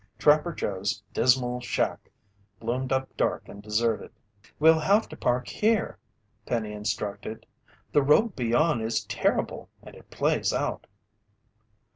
Trapper Joe's dismal shack loomed up dark and deserted. "We'll have to park here," Penny instructed, "The road beyond is terrible and it plays out."